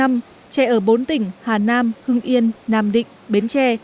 trẻ ở bốn tỉnh hà nam hưng yên nam định bến tre